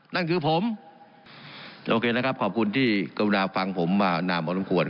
นั่นคือผมโอเคแล้วครับขอบคุณที่กรุณาฟังผมมานานพอสมควร